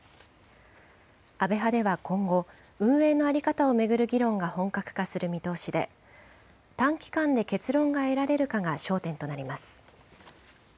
安倍派では今後、運営の在り方を巡る議論が本格化する見通しで、短期間で結論が得られるかが焦点となります。